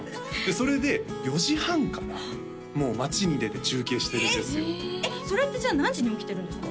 それで４時半からもう街に出て中継してるんですよえっそれってじゃあ何時に起きてるんですか？